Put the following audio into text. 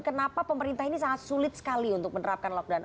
kenapa pemerintah ini sangat sulit sekali untuk menerapkan lockdown